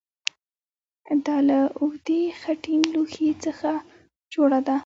دا له اوږدې خټین لوښي څخه جوړه ده